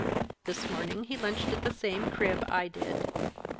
This morning he lunched at the same crib I did.